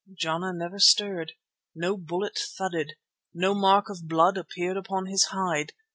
Jana never stirred. No bullet thudded. No mark of blood appeared upon his hide.